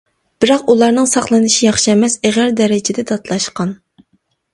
بىراق ئۇلارنىڭ ساقلىنىشى ياخشى ئەمەس، ئېغىر دەرىجىدە داتلاشقان.